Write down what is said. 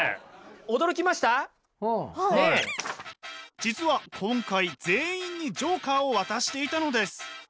実は今回全員にジョーカーを渡していたのです。